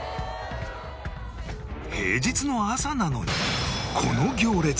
平日の朝なのにこの行列！